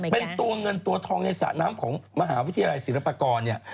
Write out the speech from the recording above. เป็นตัวเงินตัวทองในสระน้ำของมหาวิทยาลัยศิลปากรเนี่ย